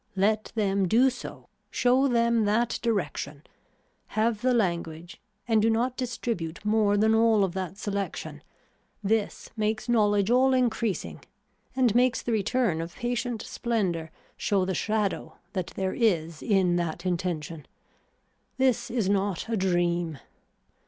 Let them do so, show them that direction, have the language and do not distribute more than all of that selection, this makes knowledge all increasing and makes the return of patient splendor show the shadow that there is in that intention. This is not a dream.